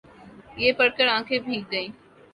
یہ پڑھ کر آنکھیں بھیگ گئیں۔